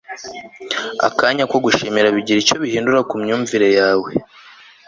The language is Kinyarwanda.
akanya ko gushimira bigira icyo bihindura ku myumvire yawe